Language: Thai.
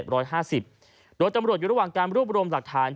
โดยตำรวจอยู่ระหว่างการรวบรวมหลักฐาน